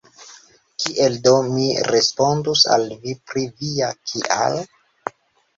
Kiel do mi respondus al vi pri via “kial”?